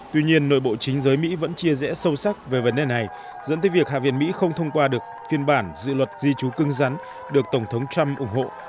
tuy nhiên nội bộ chính giới mỹ vẫn chia rẽ sâu sắc về vấn đề này dẫn tới việc hạ viện mỹ không thông qua được phiên bản dự luật di trú cưng rắn được tổng thống trump ủng hộ